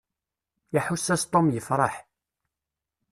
Iḥuss-as Tom yefṛeḥ.